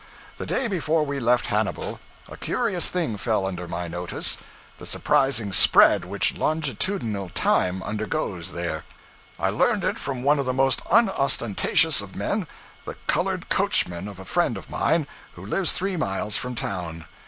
The day before we left Hannibal, a curious thing fell under my notice the surprising spread which longitudinal time undergoes there. I learned it from one of the most unostentatious of men the colored coachman of a friend of mine, who lives three miles from town.